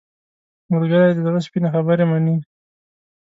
ملګری د زړه سپینې خبرې مني